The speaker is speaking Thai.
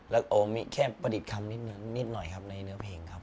แล้วโอมิแค่ประดิษฐ์คำนิดหน่อยครับในเนื้อเพลงครับ